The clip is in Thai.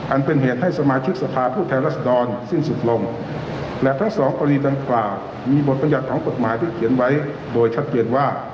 อันเป็นเหตุให้สมาชิกสภาพผู้แทนรัศดรสิ้นสุดลงและทั้งสองกรณีดังกล่าวมีบทบรรยัติของกฎหมายที่เขียนไว้โดยชัดเจนว่า